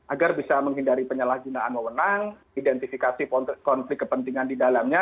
agar bisa menghindari penyalahgunaan mewenang identifikasi konflik kepentingan di dalamnya